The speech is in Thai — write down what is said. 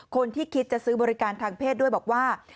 คิดจะซื้อบริการทางเพศด้วยบอกว่า